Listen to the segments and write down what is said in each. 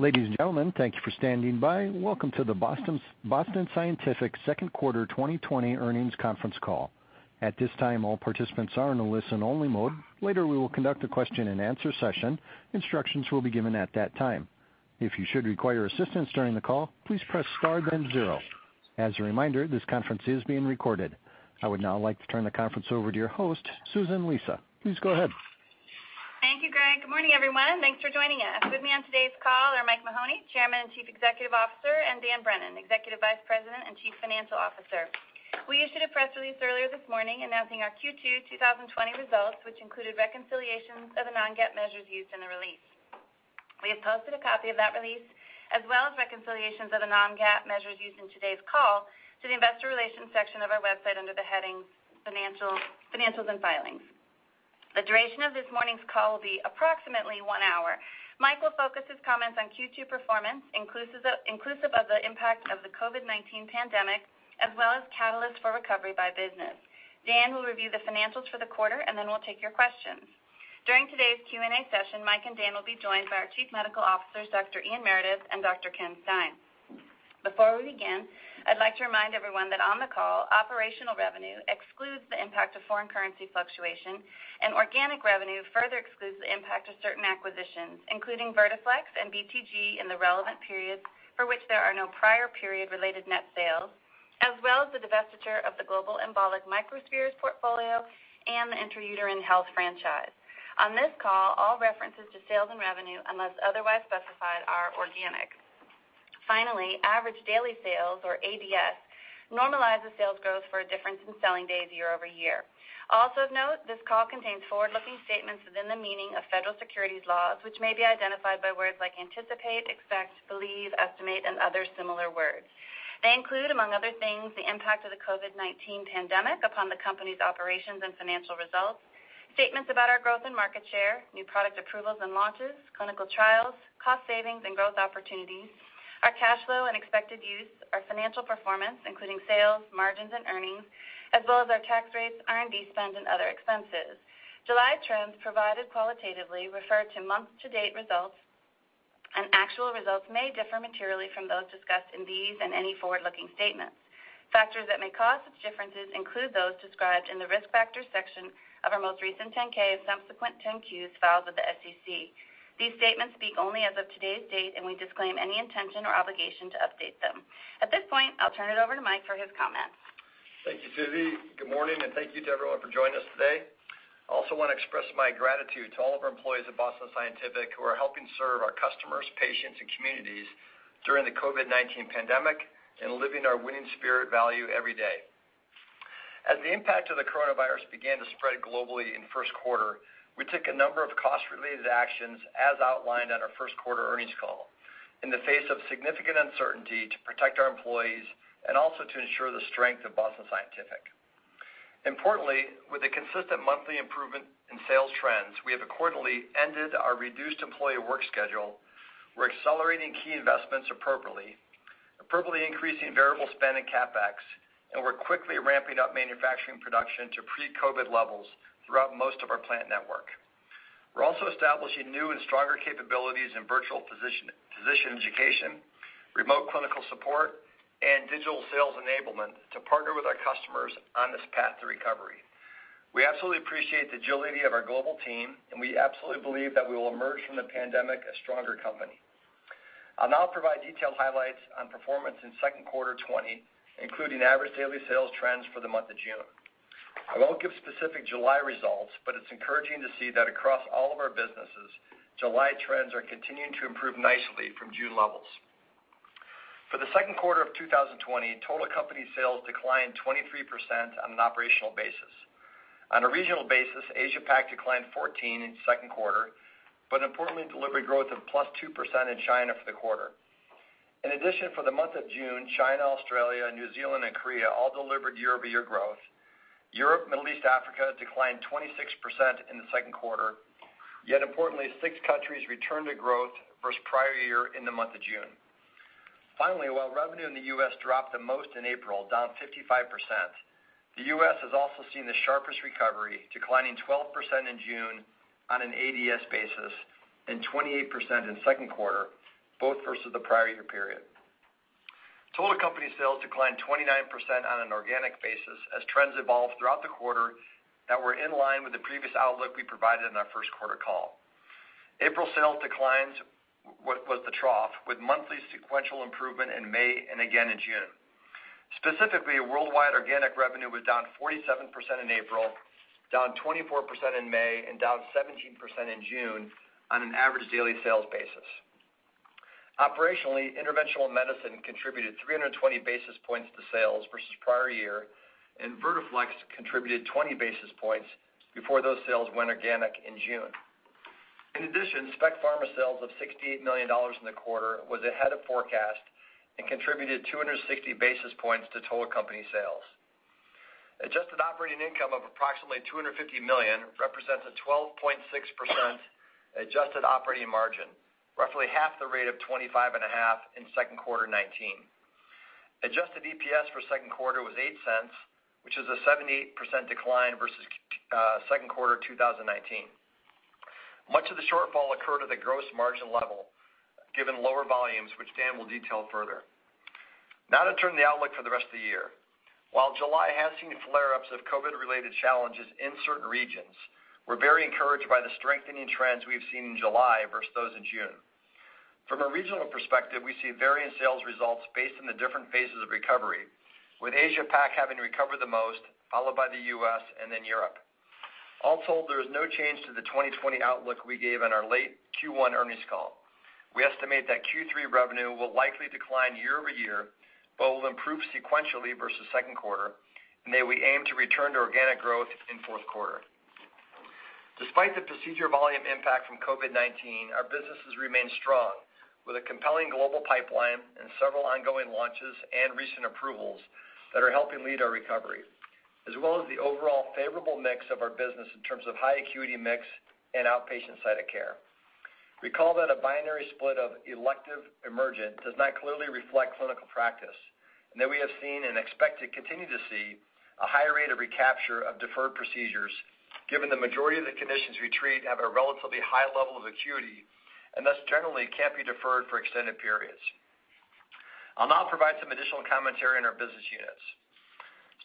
Ladies and gentlemen, thank you for standing by. Welcome to the Boston Scientific second quarter 2020 earnings conference call. At this time, all participants are in a listen-only mode. Later, we will conduct a question and answer session. Instructions will be given at that time. If you should require assistance during the call, please press star then zero. As a reminder, this conference is being recorded. I would now like to turn the conference over to your host, Susan Lisa. Please go ahead. Thank you, Greg. Good morning, everyone. Thanks for joining us. With me on today's call are Mike Mahoney, Chairman and Chief Executive Officer, and Dan Brennan, Executive Vice President and Chief Financial Officer. We issued a press release earlier this morning announcing our Q2 2020 results, which included reconciliations of the non-GAAP measures used in the release. We have posted a copy of that release, as well as reconciliations of the non-GAAP measures used in today's call to the Investor Relations section of our website under the heading Financials and Filings. The duration of this morning's call will be approximately one hour. Mike will focus his comments on Q2 performance, inclusive of the impact of the COVID-19 pandemic, as well as catalysts for recovery by business. Dan will review the financials for the quarter, and then we'll take your questions. During today's Q&A session, Mike and Dan will be joined by our Chief Medical Officers, Dr. Ian Meredith and Dr. Ken Stein. Before we begin, I'd like to remind everyone that on the call, operational revenue excludes the impact of foreign currency fluctuation, and organic revenue further excludes the impact of certain acquisitions, including Vertiflex and BTG in the relevant periods for which there are no prior period-related net sales, as well as the divestiture of the global embolic microspheres portfolio and the intra-uterine health franchise. On this call, all references to sales and revenue, unless otherwise specified, are organic. Finally, average daily sales, or ADS, normalizes sales growth for a difference in selling days year-over-year. Also of note, this call contains forward-looking statements within the meaning of federal securities laws, which may be identified by words like anticipate, expect, believe, estimate, and other similar words. They include, among other things, the impact of the COVID-19 pandemic upon the company's operations and financial results, statements about our growth and market share, new product approvals and launches, clinical trials, cost savings, and growth opportunities, our cash flow and expected use, our financial performance, including sales, margins, and earnings, as well as our tax rates, R&D spend, and other expenses. Actual results may differ materially from those discussed in these and any forward-looking statements. Factors that may cause such differences include those described in the Risk Factors section of our most recent 10-K and subsequent 10-Qs filed with the SEC. These statements speak only as of today's date. We disclaim any intention or obligation to update them. At this point, I'll turn it over to Mike for his comments. Thank you, Susie. Good morning. Thank you to everyone for joining us today. I also want to express my gratitude to all of our employees at Boston Scientific who are helping serve our customers, patients, and communities during the COVID-19 pandemic and living our winning spirit value every day. As the impact of the coronavirus began to spread globally in first quarter, we took a number of cost-related actions as outlined on our first quarter earnings call in the face of significant uncertainty to protect our employees and also to ensure the strength of Boston Scientific. Importantly, with a consistent monthly improvement in sales trends, we have accordingly ended our reduced employee work schedule. We're accelerating key investments appropriately increasing variable spend and CapEx, and we're quickly ramping up manufacturing production to pre-COVID levels throughout most of our plant network. We're also establishing new and stronger capabilities in virtual physician education, remote clinical support, and digital sales enablement to partner with our customers on this path to recovery. We absolutely appreciate the agility of our global team. We absolutely believe that we will emerge from the pandemic a stronger company. I'll now provide detailed highlights on performance in second quarter 2020, including average daily sales trends for the month of June. I won't give specific July results. It's encouraging to see that across all of our businesses, July trends are continuing to improve nicely from June levels. For the second quarter of 2020, total company sales declined 23% on an operational basis. On a regional basis, Asia-Pac declined 14% in second quarter. Importantly, delivered growth of +2% in China for the quarter. In addition, for the month of June, China, Australia, New Zealand, and Korea all delivered year-over-year growth. Europe, Middle East, Africa declined 26% in the second quarter, yet importantly, six countries returned to growth versus prior year in the month of June. While revenue in the U.S. dropped the most in April, down 55%, the U.S. has also seen the sharpest recovery, declining 12% in June on an ADS basis and 28% in second quarter, both versus the prior year period. Total company sales declined 29% on an organic basis as trends evolved throughout the quarter that were in line with the previous outlook we provided on our first quarter call. April sales declines was the trough, with monthly sequential improvement in May and again in June. Specifically, worldwide organic revenue was down 47% in April, down 24% in May, and down 17% in June on an average daily sales basis. Operationally, Interventional Medicine contributed 320 basis points to sales versus prior year, and Vertiflex contributed 20 basis points before those sales went organic in June. In addition, Spec Pharma sales of $68 million in the quarter was ahead of forecast and contributed 260 basis points to total company sales. Adjusted operating income of approximately $250 million represents a 12.6% adjusted operating margin, roughly half the rate of 25.5 in second quarter 2019. Adjusted EPS for second quarter was $0.08, which is a 78% decline versus second quarter 2019. Much of the shortfall occurred at the gross margin level, given lower volumes, which Dan will detail further. Now to turn to the outlook for the rest of the year. While July has seen flare-ups of COVID-related challenges in certain regions, we're very encouraged by the strengthening trends we've seen in July versus those in June. From a regional perspective, we see varying sales results based on the different phases of recovery, with Asia Pac having recovered the most, followed by the U.S., and then Europe. All told, there is no change to the 2020 outlook we gave in our late Q1 earnings call. We estimate that Q3 revenue will likely decline year-over-year but will improve sequentially versus second quarter, and that we aim to return to organic growth in fourth quarter. Despite the procedure volume impact from COVID-19, our businesses remain strong, with a compelling global pipeline and several ongoing launches and recent approvals that are helping lead our recovery, as well as the overall favorable mix of our business in terms of high acuity mix and outpatient site of care. Recall that a binary split of elective/emergent does not clearly reflect clinical practice, and that we have seen and expect to continue to see a high rate of recapture of deferred procedures, given the majority of the conditions we treat have a relatively high level of acuity, and thus generally can't be deferred for extended periods. I'll now provide some additional commentary on our business units.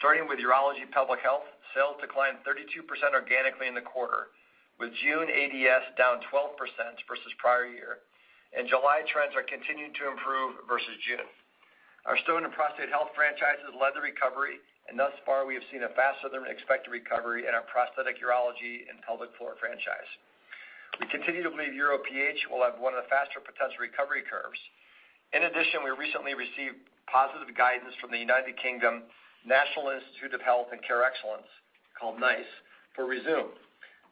Starting with Urology Pelvic Health, sales declined 32% organically in the quarter, with June ADS down 12% versus prior year, and July trends are continuing to improve versus June. Our stone and prostate health franchises led the recovery, and thus far, we have seen a faster-than-expected recovery in our prosthetic urology and pelvic floor franchise. We continue to believe UroPH will have one of the faster potential recovery curves. In addition, we recently received positive guidance from the United Kingdom National Institute for Health and Care Excellence, called NICE, for Rezūm,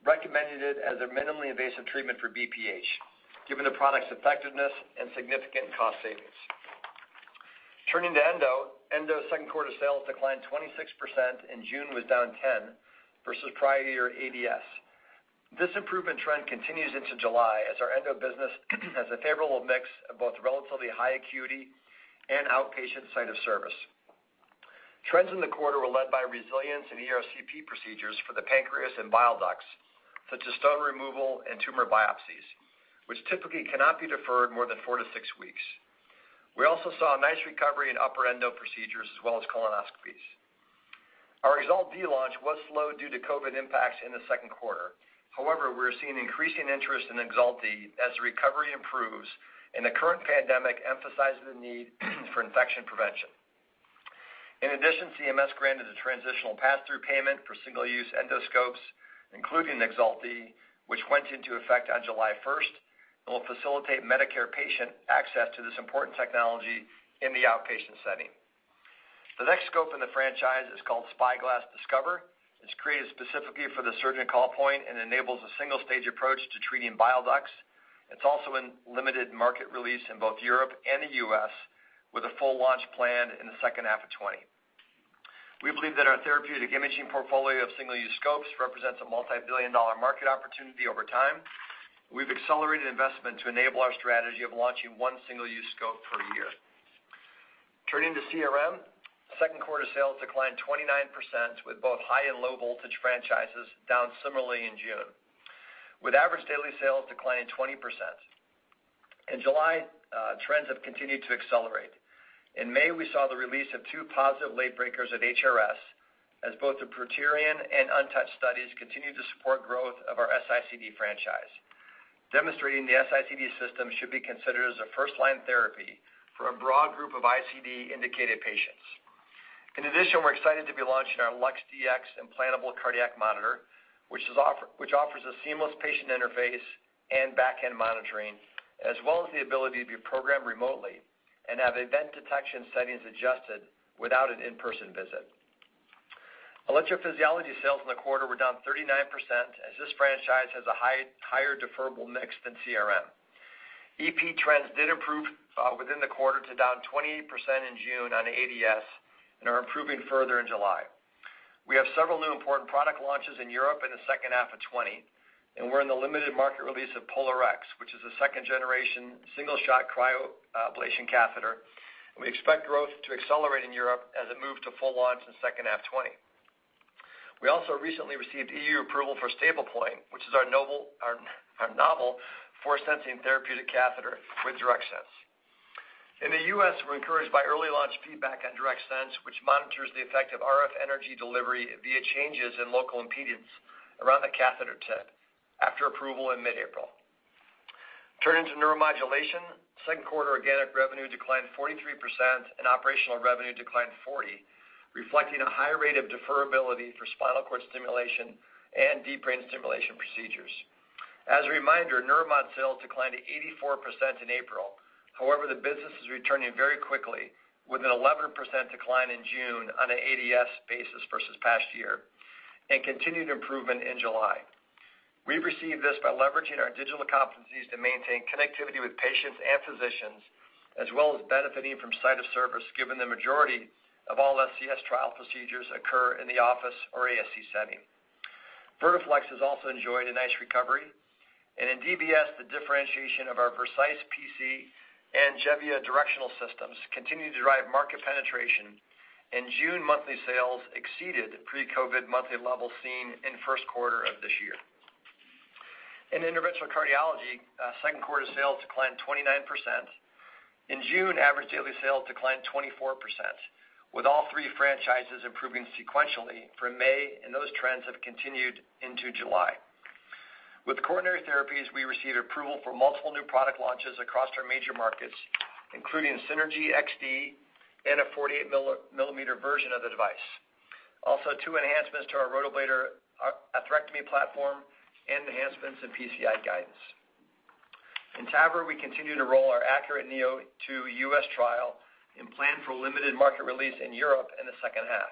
recommending it as a minimally invasive treatment for BPH, given the product's effectiveness and significant cost savings. Turning to Endo. Endo second quarter sales declined 26%, and June was down 10% versus prior year ADS. This improvement trend continues into July as our Endo business has a favorable mix of both relatively high acuity and outpatient site of service. Trends in the quarter were led by resilience in ERCP procedures for the pancreas and bile ducts, such as stone removal and tumor biopsies, which typically cannot be deferred more than four to six weeks. We also saw a nice recovery in upper Endo procedures as well as colonoscopies. Our EXALT D launch was slow due to COVID impacts in the second quarter. We are seeing increasing interest in EXALT D as the recovery improves and the current pandemic emphasizes the need for infection prevention. CMS granted a transitional pass-through payment for single-use endoscopes, including EXALT D, which went into effect on July 1st, and will facilitate Medicare patient access to this important technology in the outpatient setting. The next scope in the franchise is called SpyGlass Discover. It's created specifically for the surgeon call point and enables a single-stage approach to treating bile ducts. It's also in limited market release in both Europe and the U.S., with a full launch planned in the second half of 2020. We believe that our therapeutic imaging portfolio of single-use scopes represents a multibillion-dollar market opportunity over time. We've accelerated investment to enable our strategy of launching one single-use scope per year. Turning to CRM. Second quarter sales declined 29%, with both high and low voltage franchises down similarly in June, with average daily sales declining 20%. In July, trends have continued to accelerate. In May, we saw the release of two positive late breakers at HRS, as both the PRAETORIAN and UNTOUCHED studies continue to support growth of our S-ICD franchise, demonstrating the S-ICD system should be considered as a first-line therapy for a broad group of ICD-indicated patients. In addition, we're excited to be launching our LUX-Dx implantable cardiac monitor, which offers a seamless patient interface and back-end monitoring, as well as the ability to be programmed remotely and have event detection settings adjusted without an in-person visit. Electrophysiology sales in the quarter were down 39%, as this franchise has a higher deferrable mix than CRM. EP trends did improve within the quarter to down 28% in June on an ADS and are improving further in July. We have several new important product launches in Europe in the second half of 2020, and we're in the limited market release of POLARx, which is a second-generation single-shot cryoablation catheter. We expect growth to accelerate in Europe as it moves to full launch in the second half of 2020. We also recently received EU approval for STABLEPOINT, which is our novel force sensing therapeutic catheter with DIRECTSENSE. In the U.S., we're encouraged by early launch feedback on DIRECTSENSE, which monitors the effect of RF energy delivery via changes in local impedance around the catheter tip after approval in mid-April. Turning to Neuromodulation. Second quarter organic revenue declined 43%, and operational revenue declined 40%, reflecting a high rate of deferrability for spinal cord stimulation and deep brain stimulation procedures. As a reminder, Neuromod sales declined 84% in April. The business is returning very quickly, with an 11% decline in June on an ADS basis versus past year and continued improvement in July. We've received this by leveraging our digital competencies to maintain connectivity with patients and physicians, as well as benefiting from site of service given the majority of all SCS trial procedures occur in the office or ASC setting. Vertiflex has also enjoyed a nice recovery. In DBS, the differentiation of our Vercise PC and Gevia directional systems continue to drive market penetration. In June, monthly sales exceeded pre-COVID monthly levels seen in first quarter of this year. In interventional cardiology, second quarter sales declined 29%. In June, average daily sales declined 24%, with all three franchises improving sequentially from May, and those trends have continued into July. With coronary therapies, we received approval for multiple new product launches across our major markets, including SYNERGY XD and a 48 mm version of the device. Also, two enhancements to our ROTAPRO atherectomy platform and enhancements in PCI guidance. In TAVR, we continue to roll our ACURATE neo2 U.S. trial and plan for limited market release in Europe in the second half.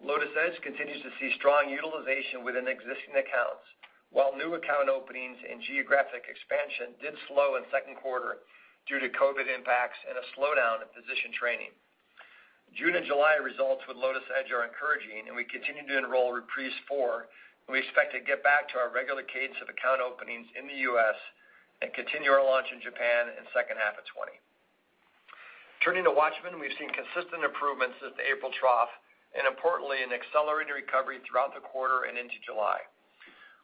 Lotus Edge continues to see strong utilization within existing accounts, while new account openings and geographic expansion did slow in second quarter due to COVID impacts and a slowdown in physician training. June and July results with Lotus Edge are encouraging, and we continue to enroll REPRISE IV, and we expect to get back to our regular cadence of account openings in the U.S. and continue our launch in Japan in second half of 2020. Turning to WATCHMAN, we've seen consistent improvements since the April trough, and importantly, an accelerated recovery throughout the quarter and into July.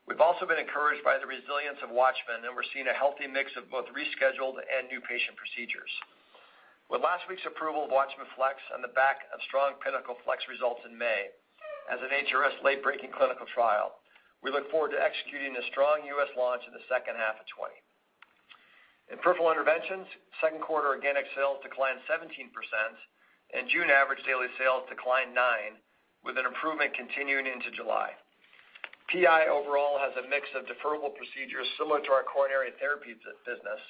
We've also been encouraged by the resilience of WATCHMAN, and we're seeing a healthy mix of both rescheduled and new patient procedures. With last week's approval of WATCHMAN FLX on the back of strong PINNACLE FLX results in May as an HRS late-breaking clinical trial, we look forward to executing a strong U.S. launch in the second half of 2020. In peripheral interventions, second quarter organic sales declined 17%, and June average daily sales declined 9%, with an improvement continuing into July. PI overall has a mix of deferrable procedures similar to our coronary therapies business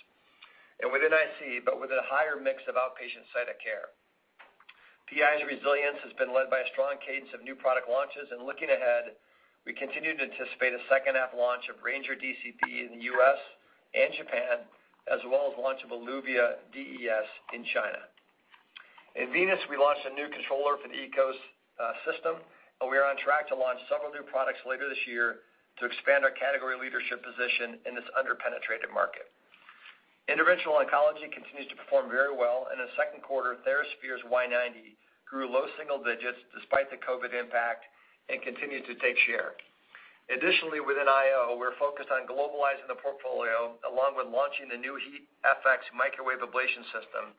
and within IC, but with a higher mix of outpatient site of care. PI's resilience has been led by a strong cadence of new product launches. Looking ahead, we continue to anticipate a second half launch of Ranger DCB in the U.S. and Japan, as well as launch of ELUVIA DES in China. In Venous, we launched a new controller for the EKOS system, but we are on track to launch several new products later this year to expand our category leadership position in this under-penetrated market. Interventional oncology continues to perform very well, and in the second quarter, TheraSphere's Y-90 grew low single digits despite the COVID impact and continued to take share. Additionally, within IO, we're focused on globalizing the portfolio along with launching the new HeatFX microwave ablation system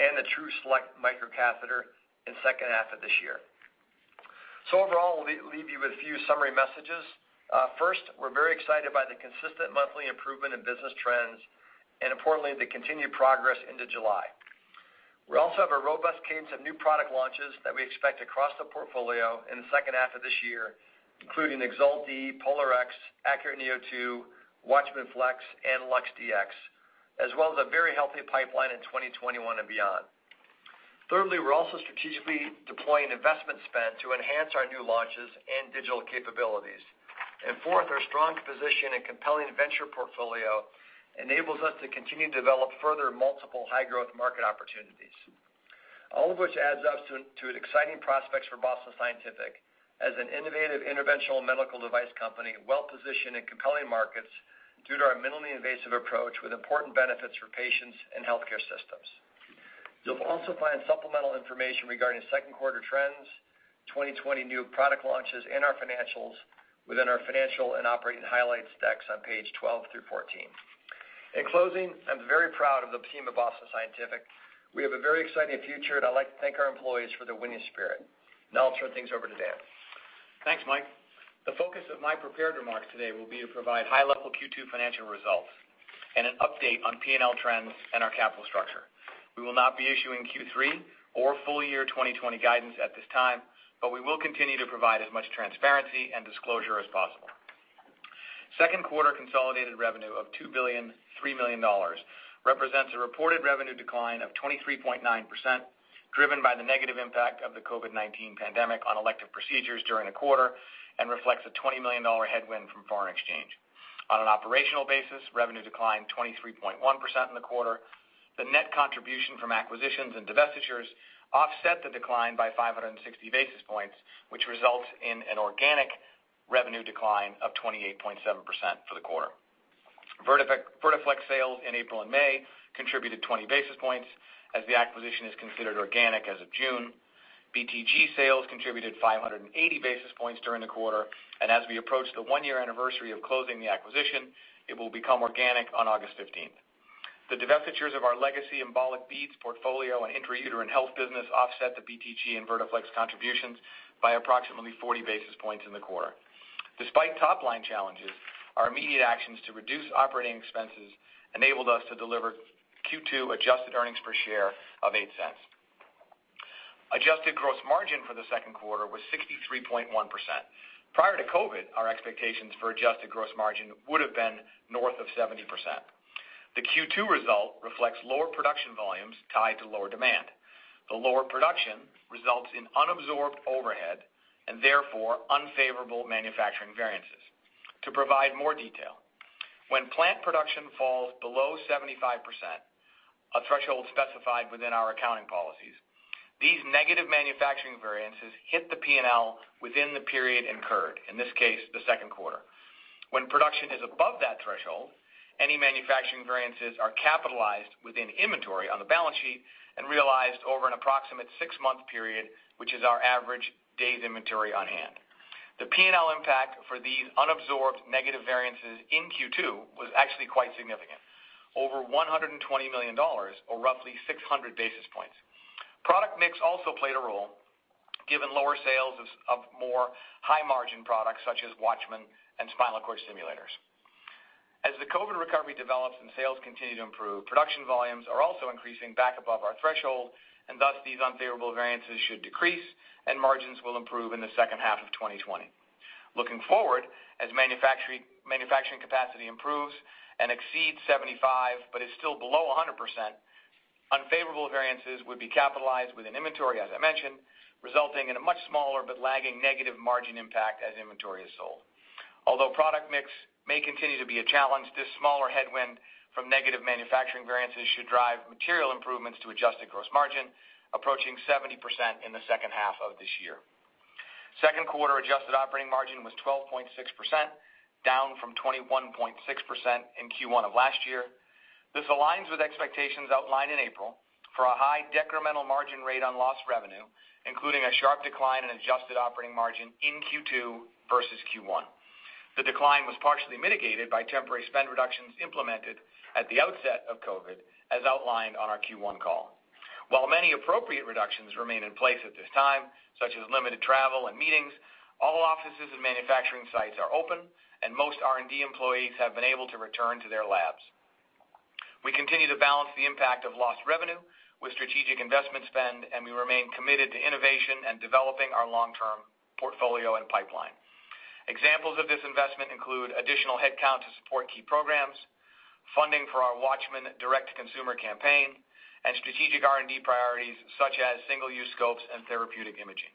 and the TRUESELECT microcatheter in second half of this year. Overall, we leave you with a few summary messages. First, we're very excited by the consistent monthly improvement in business trends and importantly, the continued progress into July. We also have a robust cadence of new product launches that we expect across the portfolio in the second half of this year, including EXALT D, POLARx, ACURATE neo2, WATCHMAN FLX, and LUX-Dx, as well as a very healthy pipeline in 2021 and beyond. Thirdly, we're also strategically deploying investment spend to enhance our new launches and digital capabilities. Fourth, our strong position and compelling venture portfolio enables us to continue to develop further multiple high-growth market opportunities. All of which adds up to exciting prospects for Boston Scientific as an innovative interventional medical device company well-positioned in compelling markets due to our minimally invasive approach with important benefits for patients and healthcare systems. You'll also find supplemental information regarding second quarter trends, 2020 new product launches, and our financials within our financial and operating highlights decks on page 12 through 14. In closing, I'm very proud of the team of Boston Scientific. We have a very exciting future, I'd like to thank our employees for their winning spirit. Now I'll turn things over to Dan. Thanks, Mike. The focus of my prepared remarks today will be to provide high-level Q2 financial results and an update on P&L trends and our capital structure. We will not be issuing Q3 or full year 2020 guidance at this time, we will continue to provide as much transparency and disclosure as possible. Second quarter consolidated revenue of $2.003 billion represents a reported revenue decline of 23.9%, driven by the negative impact of the COVID-19 pandemic on elective procedures during the quarter and reflects a $20 million headwind from foreign exchange. On an operational basis, revenue declined 23.1% in the quarter. The net contribution from acquisitions and divestitures offset the decline by 560 basis points, which results in an organic revenue decline of 28.7% for the quarter. Vertiflex sales in April and May contributed 20 basis points, as the acquisition is considered organic as of June. BTG sales contributed 580 basis points during the quarter, and as we approach the one-year anniversary of closing the acquisition, it will become organic on August 15th. The divestitures of our legacy embolic beads portfolio and intra-uterine health business offset the BTG and Vertiflex contributions by approximately 40 basis points in the quarter. Despite top-line challenges, our immediate actions to reduce operating expenses enabled us to deliver Q2 adjusted earnings per share of $0.08. Adjusted gross margin for the second quarter was 63.1%. Prior to COVID, our expectations for adjusted gross margin would have been north of 70%. The Q2 result reflects lower production volumes tied to lower demand. The lower production results in unabsorbed overhead and therefore unfavorable manufacturing variances. To provide more detail, when plant production falls below 75%, a threshold specified within our accounting policies, these negative manufacturing variances hit the P&L within the period incurred, in this case, the second quarter. When production is above that threshold, any manufacturing variances are capitalized within inventory on the balance sheet and realized over an approximate six-month period, which is our average days inventory on hand. The P&L impact for these unabsorbed negative variances in Q2 was actually quite significant, over $120 million, or roughly 600 basis points. Product mix also played a role, given lower sales of more high-margin products such as WATCHMAN and spinal cord stimulators. As the COVID recovery develops and sales continue to improve, production volumes are also increasing back above our threshold, and thus these unfavorable variances should decrease and margins will improve in the second half of 2020. Looking forward, as manufacturing capacity improves and exceeds 75% but is still below 100%, unfavorable variances would be capitalized within inventory, as I mentioned, resulting in a much smaller but lagging negative margin impact as inventory is sold. Although product mix may continue to be a challenge, this smaller headwind from negative manufacturing variances should drive material improvements to adjusted gross margin, approaching 70% in the second half of this year. Second quarter adjusted operating margin was 12.6%, down from 21.6% in Q1 of last year. This aligns with expectations outlined in April for a high decremental margin rate on lost revenue, including a sharp decline in adjusted operating margin in Q2 versus Q1. The decline was partially mitigated by temporary spend reductions implemented at the outset of COVID, as outlined on our Q1 call. While many appropriate reductions remain in place at this time, such as limited travel and meetings, all offices and manufacturing sites are open, and most R&D employees have been able to return to their labs. We continue to balance the impact of lost revenue with strategic investment spend, and we remain committed to innovation and developing our long-term portfolio and pipeline. Examples of this investment include additional headcount to support key programs, funding for our WATCHMAN direct-to-consumer campaign, and strategic R&D priorities such as single-use scopes and therapeutic imaging.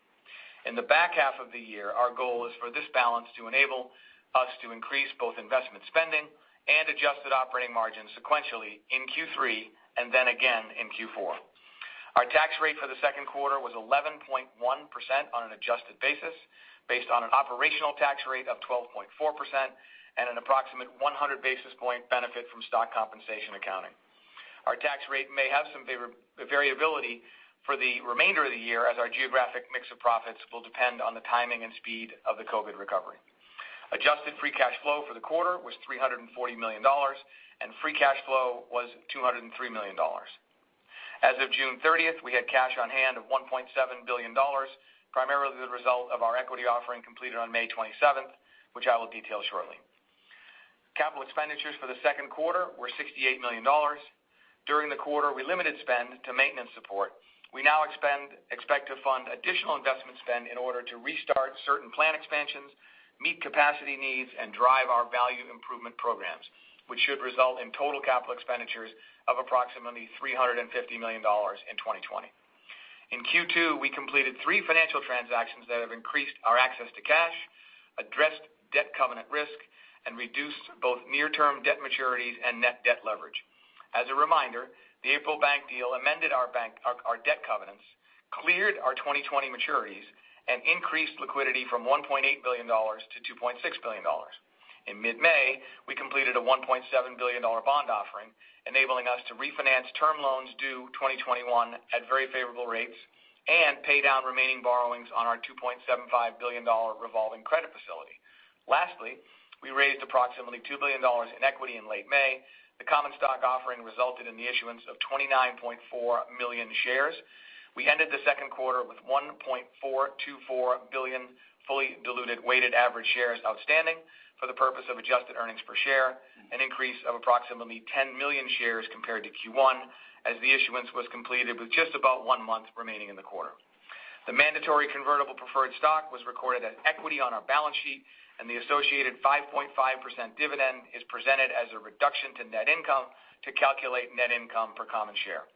In the back half of the year, our goal is for this balance to enable us to increase both investment spending and adjusted operating margins sequentially in Q3 and then again in Q4. Our tax rate for the second quarter was 11.1% on an adjusted basis, based on an operational tax rate of 12.4% and an approximate 100 basis point benefit from stock compensation accounting. Our tax rate may have some variability for the remainder of the year, as our geographic mix of profits will depend on the timing and speed of the COVID recovery. Adjusted free cash flow for the quarter was $340 million, and free cash flow was $203 million. As of June 30th, we had cash on hand of $1.7 billion, primarily the result of our equity offering completed on May 27th, which I will detail shortly. Capital expenditures for the second quarter were $68 million. During the quarter, we limited spend to maintenance support. We now expect to fund additional investment spend in order to restart certain plant expansions, meet capacity needs, and drive our value improvement programs, which should result in total capital expenditures of approximately $350 million in 2020. In Q2, we completed three financial transactions that have increased our access to cash, addressed debt covenant risk, and reduced both near-term debt maturities and net debt leverage. As a reminder, the April bank deal amended our debt covenants, cleared our 2020 maturities, and increased liquidity from $1.8 billion to $2.6 billion. In mid-May, we completed a $1.7 billion bond offering, enabling us to refinance term loans due 2021 at very favorable rates and pay down remaining borrowings on our $2.75 billion revolving credit facility. Lastly, we raised approximately $2 billion in equity in late May. The common stock offering resulted in the issuance of 29.4 million shares. We ended the second quarter with 1.424 billion fully diluted weighted average shares outstanding for the purpose of adjusted earnings per share, an increase of approximately 10 million shares compared to Q1, as the issuance was completed with just about one month remaining in the quarter. The mandatory convertible preferred stock was recorded as equity on our balance sheet, and the associated 5.5% dividend is presented as a reduction to net income to calculate net income per common share.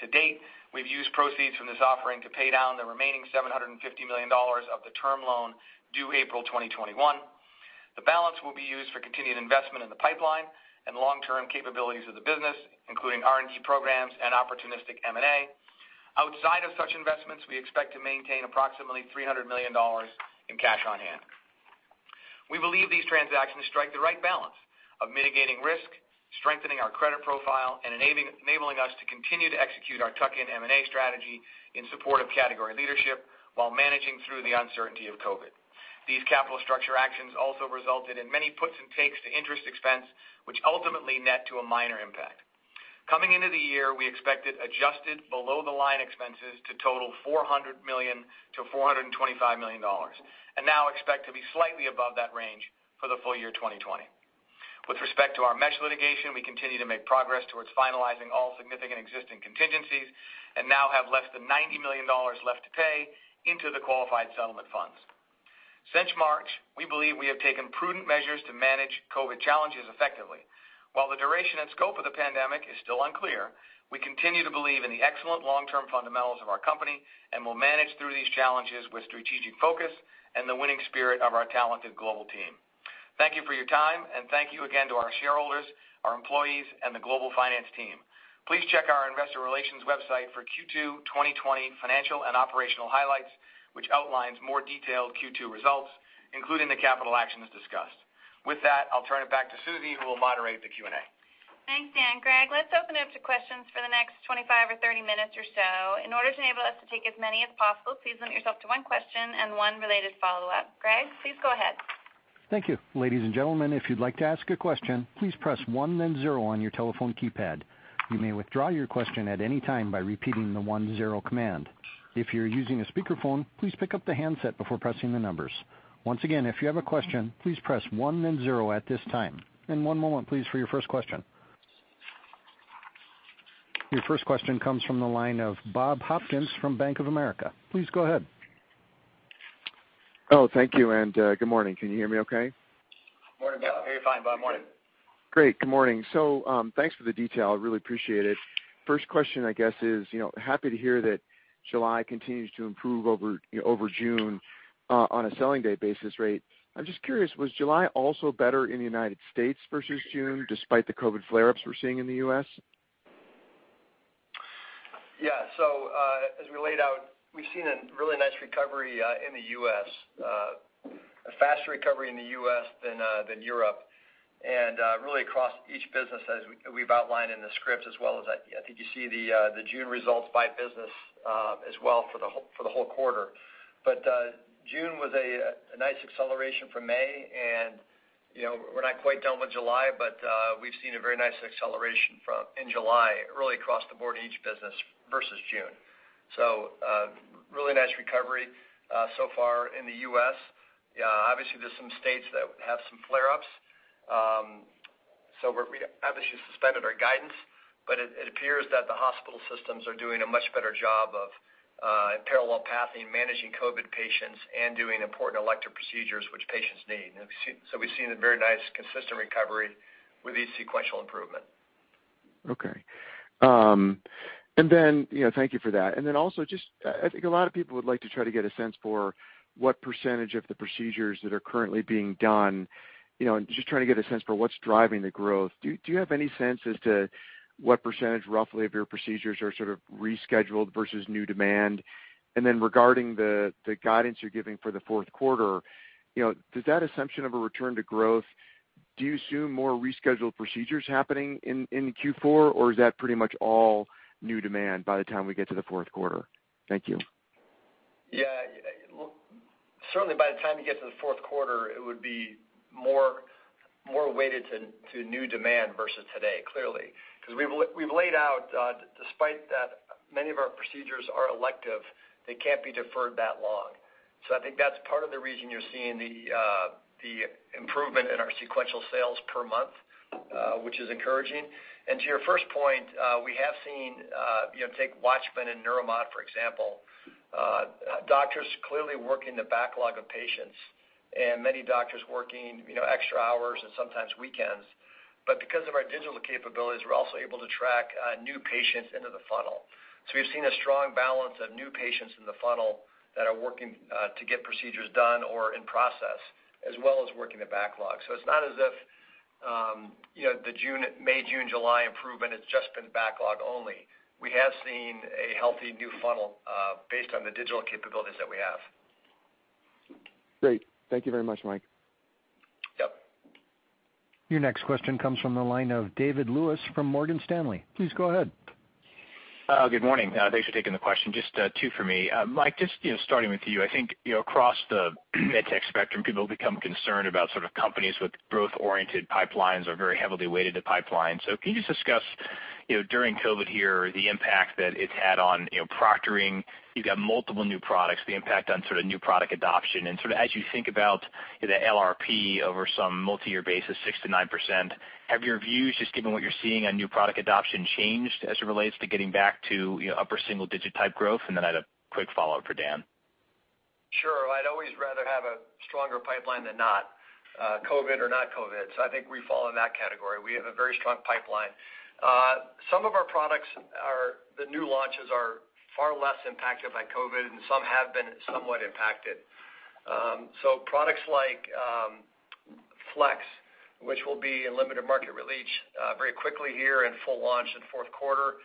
To date, we've used proceeds from this offering to pay down the remaining $750 million of the term loan due April 2021. The balance will be used for continued investment in the pipeline and long-term capabilities of the business, including R&D programs and opportunistic M&A. Outside of such investments, we expect to maintain approximately $300 million in cash on hand. We believe these transactions strike the right balance of mitigating risk, strengthening our credit profile, and enabling us to continue to execute our tuck-in M&A strategy in support of category leadership while managing through the uncertainty of COVID. These capital structure actions also resulted in many puts and takes to interest expense, which ultimately net to a minor impact. Coming into the year, we expected adjusted below-the-line expenses to total $400 million-$425 million, and now expect to be slightly above that range for the full year 2020. With respect to our mesh litigation, we continue to make progress towards finalizing all significant existing contingencies and now have less than $90 million left to pay into the qualified settlement funds. Since March, we believe we have taken prudent measures to manage COVID challenges effectively. While the duration and scope of the pandemic is still unclear, we continue to believe in the excellent long-term fundamentals of our company and will manage through these challenges with strategic focus and the winning spirit of our talented global team. Thank you for your time, and thank you again to our shareholders, our employees, and the global finance team. Please check our Investor Relations website for Q2 2020 financial and operational highlights, which outlines more detailed Q2 results, including the capital actions discussed. With that, I'll turn it back to Susie, who will moderate the Q&A. Thanks, Dan. Greg, let's open up to questions for the next 25 or 30 minutes or so. In order to enable us to take as many as possible, please limit yourself to one question and one related follow-up. Greg, please go ahead. Thank you. Ladies and gentlemen, if you'd like to ask a question, please press one, then zero on your telephone keypad. You may withdraw your question at any time by repeating the one, zero command. If you're using a speakerphone, please pick up the handset before pressing the numbers. Once again, if you have a question, please press one, then zero at this time. One moment, please, for your first question. Your first question comes from the line of Bob Hopkins from Bank of America. Please go ahead. Oh, thank you, and good morning. Can you hear me okay? Morning, Bob. Yeah, we hear you fine, Bob. Morning. Great. Good morning. Thanks for the detail. Really appreciate it. First question, I guess, is happy to hear that July continues to improve over June on a selling day basis rate. I'm just curious, was July also better in the United States versus June, despite the COVID flare-ups we're seeing in the U.S.? Yeah. As we laid out, we've seen a really nice recovery in the U.S., a faster recovery in the U.S. than Europe, and really across each business as we've outlined in the scripts, as well as I think you see the June results by business as well for the whole quarter. June was a nice acceleration from May. We're not quite done with July, we've seen a very nice acceleration in July, really across the board in each business versus June. Really nice recovery so far in the U.S. Obviously, there's some states that have some flare-ups. We obviously suspended our guidance, it appears that the hospital systems are doing a much better job of parallel pathing, managing COVID patients, and doing important elective procedures which patients need. We've seen a very nice consistent recovery with each sequential improvement. Okay. Thank you for that. Also, just, I think a lot of people would like to try to get a sense for what percent of the procedures that are currently being done, and just trying to get a sense for what's driving the growth. Do you have any sense as to what percent roughly of your procedures are sort of rescheduled versus new demand? Regarding the guidance you're giving for the fourth quarter, does that assumption of a return to growth, do you assume more rescheduled procedures happening in Q4, or is that pretty much all new demand by the time we get to the fourth quarter? Thank you. Look, certainly by the time you get to the fourth quarter, it would be more weighted to new demand versus today, clearly. We've laid out, despite that many of our procedures are elective, they can't be deferred that long. I think that's part of the reason you're seeing the improvement in our sequential sales per month, which is encouraging. To your first point, we have seen, take WATCHMAN and Neuromod, for example. Doctors clearly working the backlog of patients, and many doctors working extra hours and sometimes weekends. Because of our digital capabilities, we're also able to track new patients into the funnel. We've seen a strong balance of new patients in the funnel that are working to get procedures done or in process, as well as working the backlog. It's not as if the May, June, July improvement has just been backlog only. We have seen a healthy new funnel based on the digital capabilities that we have. Great. Thank you very much, Mike. Yep. Your next question comes from the line of David Lewis from Morgan Stanley. Please go ahead. Good morning. Thanks for taking the question. Just two for me. Mike, just starting with you, I think across the med tech spectrum, people become concerned about sort of companies with growth-oriented pipelines or very heavily weighted pipelines. Can you just discuss, during COVID here, the impact that it's had on proctoring? You've got multiple new products, the impact on sort of new product adoption, and sort of as you think about the LRP over some multi-year basis, 6%-9%. Have your views, just given what you're seeing on new product adoption changed as it relates to getting back to upper single digit type growth? I had a quick follow-up for Dan. Sure. I'd always rather have a stronger pipeline than not, COVID or not COVID. I think we fall in that category. We have a very strong pipeline. Some of our products, the new launches are far less impacted by COVID, and some have been somewhat impacted. Products like FLX, which will be in limited market release very quickly here and full launch in fourth quarter.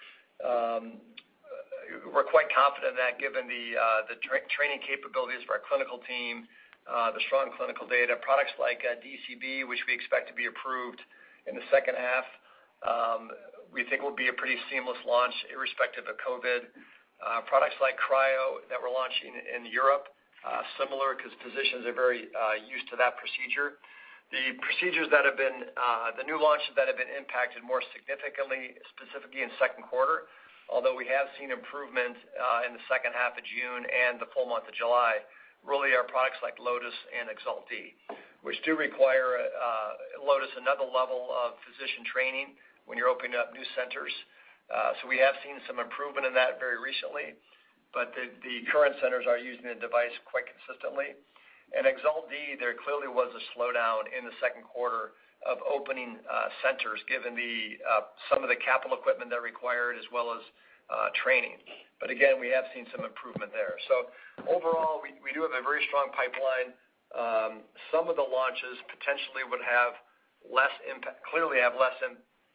We're quite confident in that given the training capabilities of our clinical team, the strong clinical data. Products like DCB, which we expect to be approved in the second half, we think will be a pretty seamless launch irrespective of COVID. Products like Cryo that we're launching in Europe, similar because physicians are very used to that procedure. The new launches that have been impacted more significantly, specifically in the second quarter, although we have seen improvement in the second half of June and the full month of July, really are products like Lotus and EXALT D, which do require, Lotus, another level of physician training when you're opening up new centers. We have seen some improvement in that very recently, but the current centers are using the device quite consistently. EXALT D, there clearly was a slowdown in the second quarter of opening centers given some of the capital equipment that are required, as well as training. Again, we have seen some improvement there. Overall, we have a very strong pipeline. Some of the launches potentially would clearly have less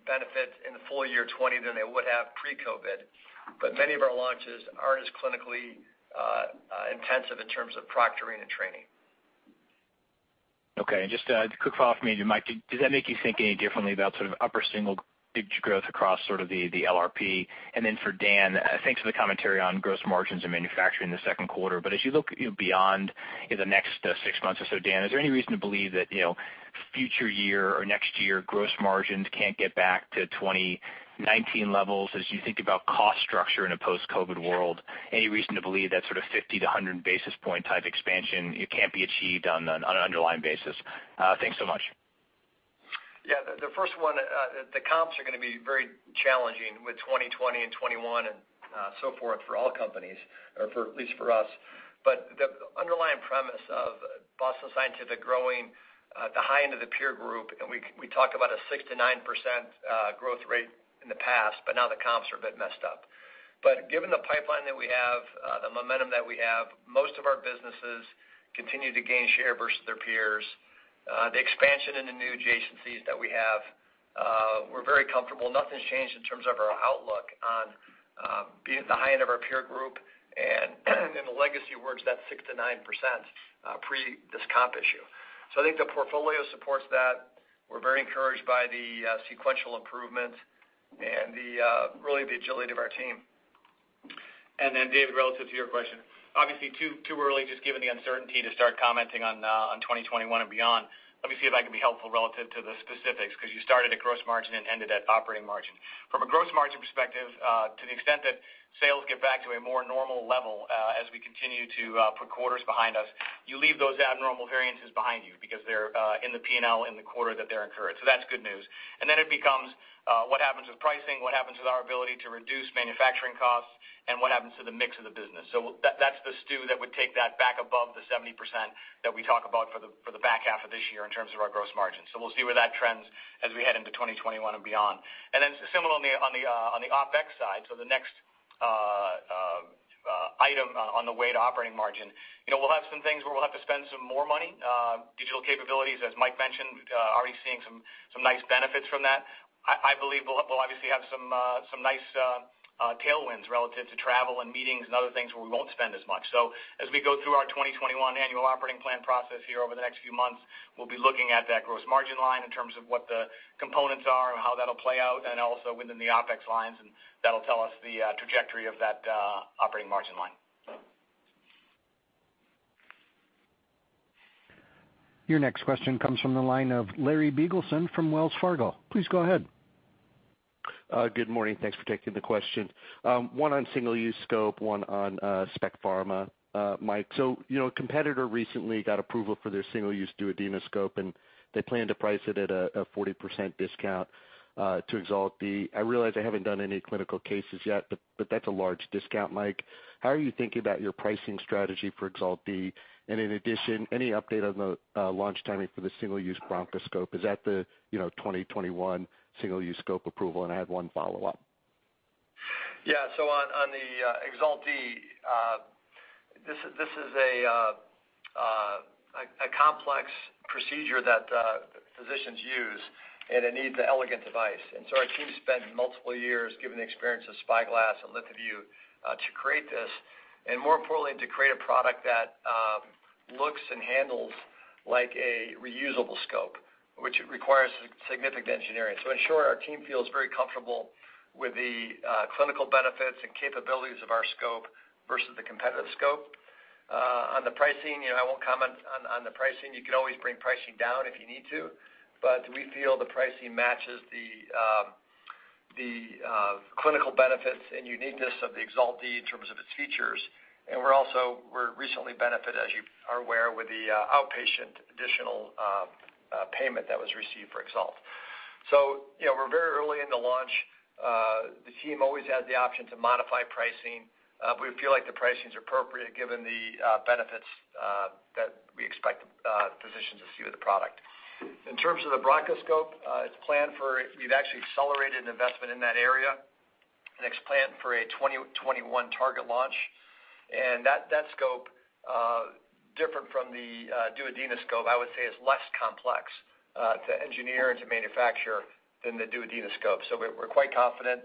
benefit in the full year 2020 than they would have pre-COVID. Many of our launches aren't as clinically intensive in terms of proctoring and training. Okay. Just a quick follow-up for you, Mike, does that make you think any differently about sort of upper single-digit growth across sort of the LRP? For Dan, thanks for the commentary on gross margins and manufacturing in the second quarter. As you look beyond the next six months or so, Dan, is there any reason to believe that future year or next year gross margins can't get back to 2019 levels as you think about cost structure in a post-COVID world? Any reason to believe that sort of 50 to 100 basis point type expansion can't be achieved on an underlying basis? Thanks so much. Yeah. The first one, the comps are going to be very challenging with 2020 and 2021 and so forth for all companies, or at least for us. The underlying premise of Boston Scientific growing at the high end of the peer group, and we talked about a 6%-9% growth rate in the past, but now the comps are a bit messed up. Given the pipeline that we have, the momentum that we have, most of our businesses continue to gain share versus their peers. The expansion in the new adjacencies that we have, we're very comfortable. Nothing's changed in terms of our outlook on being at the high end of our peer group and in the legacy works, that 6%-9% pre this comp issue. I think the portfolio supports that. We're very encouraged by the sequential improvement and really the agility of our team. Then David, relative to your question, obviously too early just given the uncertainty to start commenting on 2021 and beyond. Let me see if I can be helpful relative to the specifics because you started at gross margin and ended at operating margin. From a gross margin perspective, to the extent that sales get back to a more normal level as we continue to put quarters behind us, you leave those abnormal variances behind you because they're in the P&L in the quarter that they're incurred. That's good news. Then it becomes what happens with pricing, what happens with our ability to reduce manufacturing costs, and what happens to the mix of the business. That's the stew that would take that back above the 70% that we talk about for the back half of this year in terms of our gross margin. We'll see where that trends as we head into 2021 and beyond. Similar on the OpEx side, the next item on the way to operating margin. We'll have some things where we'll have to spend some more money. Digital capabilities, as Mike mentioned, already seeing some nice benefits from that. I believe we'll obviously have some nice tailwinds relative to travel and meetings and other things where we won't spend as much. As we go through our 2021 annual operating plan process here over the next few months, we'll be looking at that gross margin line in terms of what the components are and how that'll play out, and also within the OpEx lines, and that'll tell us the trajectory of that operating margin line. Your next question comes from the line of Larry Biegelsen from Wells Fargo. Please go ahead. Good morning. Thanks for taking the question. One on single-use scope, one on Spec Pharma. Mike, a competitor recently got approval for their single-use duodenoscope, and they plan to price it at a 40% discount to EXALT D. I realize they haven't done any clinical cases yet, that's a large discount, Mike. How are you thinking about your pricing strategy for EXALT D? In addition, any update on the launch timing for the single-use bronchoscope? Is that the 2021 single-use scope approval? I had one follow-up. Yeah. On the EXALT D, this is a complex procedure that physicians use, it needs an elegant device. Our team spent multiple years given the experience of SpyGlass and LithoVue to create this, more importantly, to create a product that looks and handles like a reusable scope, which requires significant engineering. In short, our team feels very comfortable with the clinical benefits and capabilities of our scope versus the competitive scope. On the pricing, I won't comment on the pricing. You can always bring pricing down if you need to, we feel the pricing matches the clinical benefits and uniqueness of the EXALT D in terms of its features. We recently benefited, as you are aware, with the outpatient additional payment that was received for EXALT. We're very early in the launch. The team always has the option to modify pricing. We feel like the pricing is appropriate given the benefits that we expect physicians to see with the product. In terms of the bronchoscope, we've actually accelerated an investment in that area, the next plan for a 2021 target launch. That scope, different from the duodenoscope, I would say is less complex to engineer and to manufacture than the duodenoscope. We're quite confident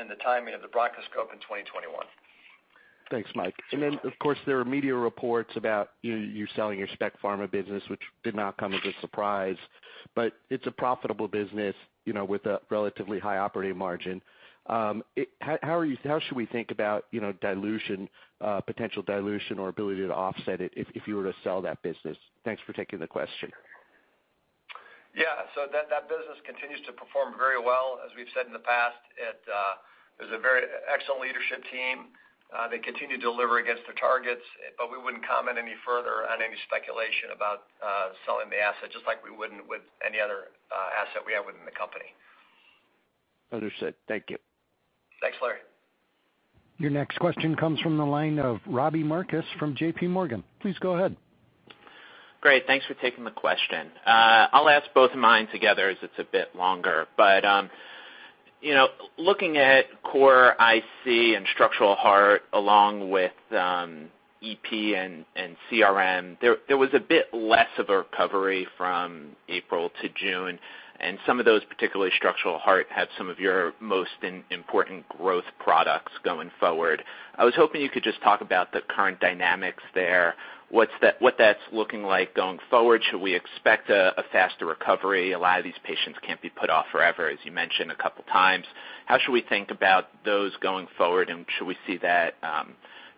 in the timing of the bronchoscope in 2021. Thanks, Mike. Of course, there are media reports about you selling your Spec Pharma business, which did not come as a surprise, but it's a profitable business with a relatively high operating margin. How should we think about potential dilution or ability to offset it if you were to sell that business? Thanks for taking the question. Yeah. That business continues to perform very well. As we've said in the past, there's a very excellent leadership team. They continue to deliver against their targets. We wouldn't comment any further on any speculation about selling the asset, just like we wouldn't with any other asset we have within the company. Understood. Thank you. Thanks, Larry. Your next question comes from the line of Robbie Marcus from J.P. Morgan. Please go ahead. Great. Thanks for taking the question. I'll ask both of mine together as it's a bit longer. Looking at core IC and structural heart, along with EP and CRM, there was a bit less of a recovery from April to June, and some of those, particularly structural heart, have some of your most important growth products going forward. I was hoping you could just talk about the current dynamics there. What that's looking like going forward? Should we expect a faster recovery? A lot of these patients can't be put off forever, as you mentioned a couple times. How should we think about those going forward, and should we see that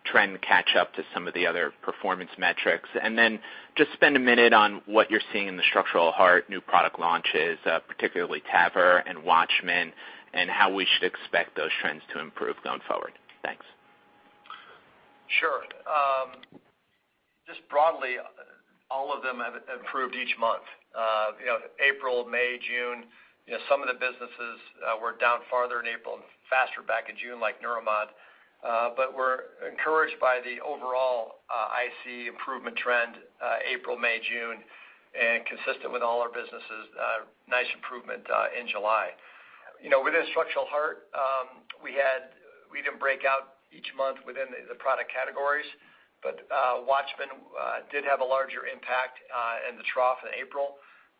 trend catch up to some of the other performance metrics? Then just spend a minute on what you're seeing in the structural heart new product launches, particularly TAVR and WATCHMAN, and how we should expect those trends to improve going forward. Thanks. Sure. Just broadly, all of them have improved each month. April, May, June. Some of the businesses were down farther in April and faster back in June, like Neuromod. We're encouraged by the overall IC improvement trend April, May, June, and consistent with all our businesses, nice improvement in July. Within structural heart, we didn't break out each month within the product categories, but WATCHMAN did have a larger impact in the trough in April.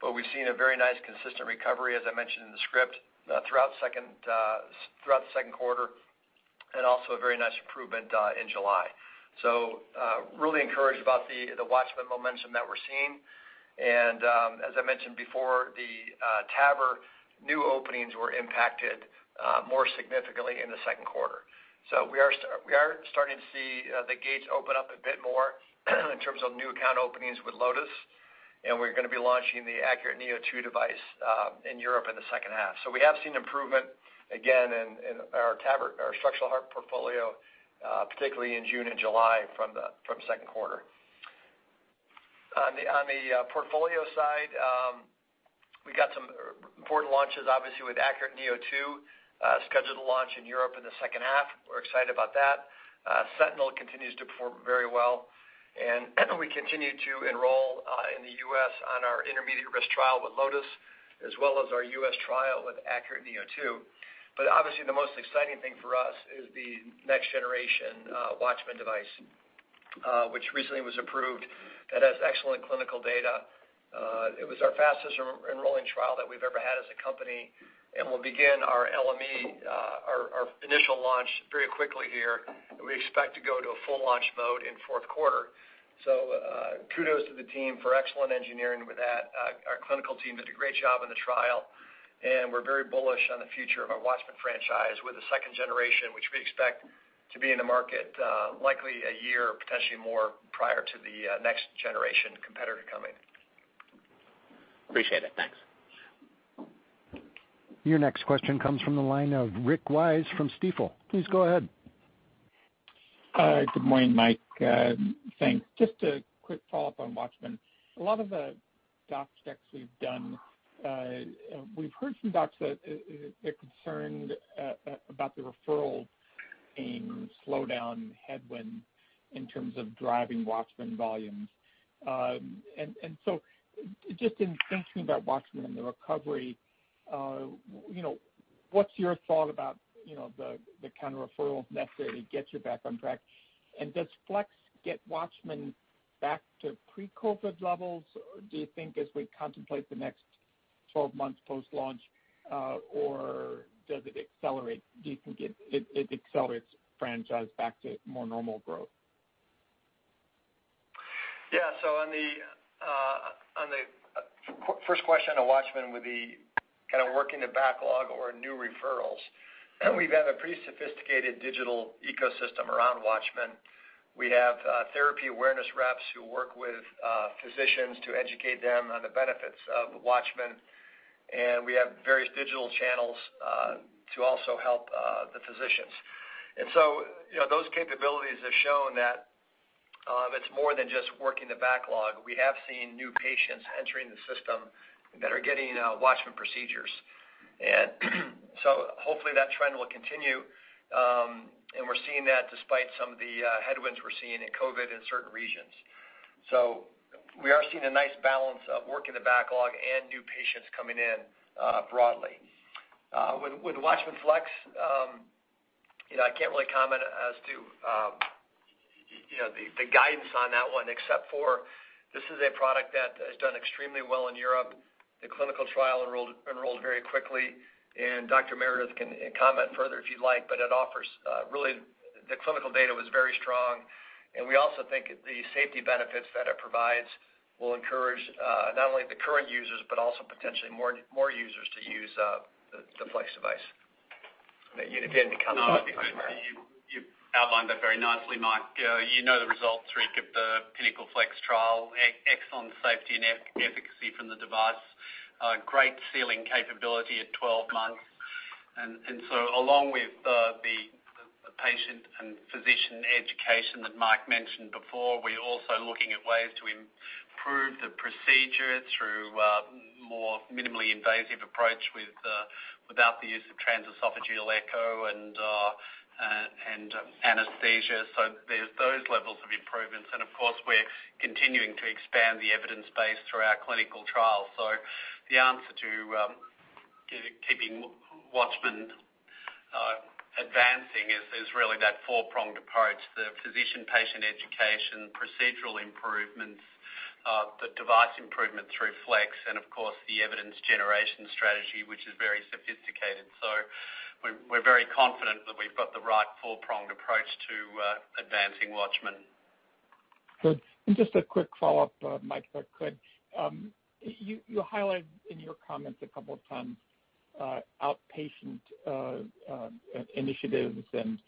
We've seen a very nice consistent recovery, as I mentioned in the script, throughout the second quarter, and also a very nice improvement in July. Really encouraged about the WATCHMAN momentum that we're seeing, and, as I mentioned before, the TAVR new openings were impacted more significantly in the second quarter. We are starting to see the gates open up a bit more in terms of new account openings with Lotus, and we are going to be launching the ACURATE neo2 device in Europe in the second half. We have seen improvement again in our structural heart portfolio, particularly in June and July from the second quarter. On the portfolio side, we got some important launches, obviously with ACURATE neo2, scheduled to launch in Europe in the second half. We are excited about that. SENTINEL continues to perform very well, and we continue to enroll in the U.S. on our intermediate risk trial with Lotus, as well as our U.S. trial with ACURATE neo2. Obviously the most exciting thing for us is the next generation WATCHMAN device, which recently was approved that has excellent clinical data. It was our fastest enrolling trial that we've ever had as a company, and we'll begin our LMR, our initial launch very quickly here, and we expect to go to a full launch mode in fourth quarter. Kudos to the team for excellent engineering with that. Our clinical team did a great job on the trial, and we're very bullish on the future of our WATCHMAN franchise with the second generation, which we expect to be in the market likely a year, potentially more, prior to the next generation competitor to come in. Appreciate it. Thanks. Your next question comes from the line of Rick Wise from Stifel. Please go ahead. Hi, good morning, Mike. Thanks. Just a quick follow-up on WATCHMAN. A lot of the doc checks we've done, we've heard from docs that they're concerned about the referral seeing slow down headwind in terms of driving WATCHMAN volumes. Just in thinking about WATCHMAN and the recovery, what's your thought about the kind of referrals necessary to get you back on track, and does FLX get WATCHMAN back to pre-COVID levels, do you think, as we contemplate the next 12 months post-launch? Does it accelerate? Do you think it accelerates franchise back to more normal growth? On the first question on WATCHMAN would be kind of working the backlog or new referrals. We've got a pretty sophisticated digital ecosystem around WATCHMAN. We have therapy awareness reps who work with physicians to educate them on the benefits of WATCHMAN, and we have various digital channels to also help the physicians. Those capabilities have shown that it's more than just working the backlog. We have seen new patients entering the system that are getting WATCHMAN procedures. Hopefully that trend will continue, and we're seeing that despite some of the headwinds we're seeing in COVID in certain regions. We are seeing a nice balance of working the backlog and new patients coming in broadly. With WATCHMAN FLX, I can't really comment as to the guidance on that one except for this is a product that has done extremely well in Europe. The clinical trial enrolled very quickly. Dr. Meredith can comment further if you'd like. The clinical data was very strong, and we also think the safety benefits that it provides will encourage not only the current users, but also potentially more users to use the FLX device. Again, you can comment on that, Dr. Meredith. You outlined that very nicely, Mike. You know the results, Rick, of the PINNACLE FLX trial. Excellent safety and efficacy from the device. Great sealing capability at 12 months. Along with the patient and physician education that Mike mentioned before, we're also looking at ways to improve the procedure through more minimally invasive approach without the use of transesophageal echo and anesthesia. There's those levels of improvements. Of course, we're continuing to expand the evidence base through our clinical trials. The answer to keeping WATCHMAN advancing is really that four-pronged approach. The physician-patient education, procedural improvements, the device improvement through FLX, and of course, the evidence generation strategy, which is very sophisticated. We're very confident that we've got the right four-pronged approach to advancing WATCHMAN. Good. Just a quick follow-up, Mike, if I could. You highlighted in your comments a couple of times, outpatient initiatives and